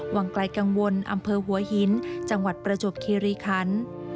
วังไกลกังวลอำเภอหัวหินจังหวัดประจวบคิริคัน